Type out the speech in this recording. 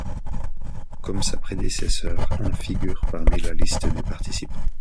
Comme sa prédécesseure, un figure parmi la liste des participants.